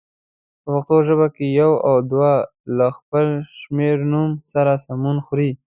په پښتو ژبه کې یو او دوه له خپل شمېرنوم سره سمون خوري.